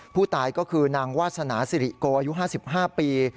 ผู้ตายก็คือนางวาสนาสิริโกอายุ๕๕ปี